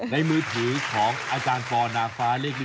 ในมือถือของอาจารย์ฟอร์นาฟ้าเลข๑๕